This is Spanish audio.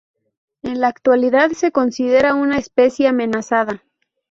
En la actualidad se considera una especie amenazada.